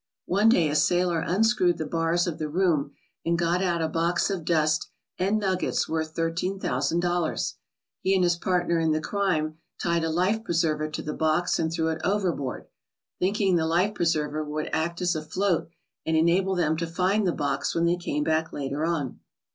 One day a sailor un screwed the bars of the room and got out a box of dust and nuggets worth thirteen thousand dollars. He and his partner in the crime tied a life preserver to the box and threw it overboard, thinking the life preserver would act as a float and enable them to find the box when they came back later on.